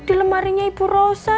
di lemarinya ibu rosa